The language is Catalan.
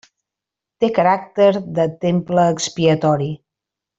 Té caràcter de temple expiatori.